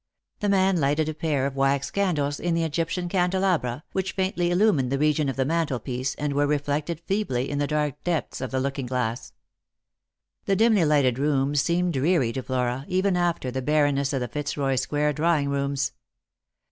The man lighted a pair of wax candles in the Egyptian can delabra, which faintly illumined the region of the mantelpiece, and were reflected feebly in the dark depths of the looking glass. The dimly lighted room seemed dreary to Flora, even after the barrenness of the Fitzroy square drawing rooms.